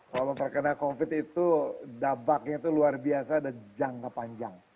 kalau terkena covid itu dabaknya itu luar biasa dan jangka panjang